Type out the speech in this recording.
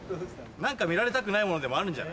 何か見られたくないものでもあるんじゃない？